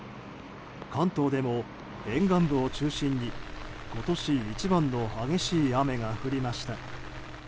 関東でも沿岸部を中心に今年一番の激しい雨が降りました。